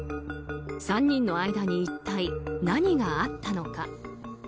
３人の間に一体何があったのか。